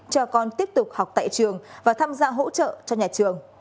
cho con tiếp tục học tại trường và tham gia hỗ trợ cho nhà trường